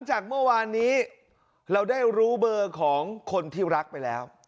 จากเมื่อวานนี้เราได้รู้เบอร์ของคนที่รักไปแล้ว